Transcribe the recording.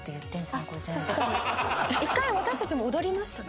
一回私たちも踊りました。